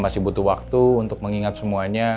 masih butuh waktu untuk mengingat semuanya